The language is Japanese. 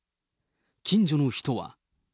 近所の人は。